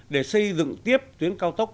để xây dựng tiếp tuyến cao tốc